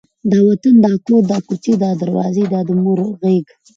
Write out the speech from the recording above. دا وطن، دا کور، دا کوڅې، دا دروازې، دا د مور غېږ،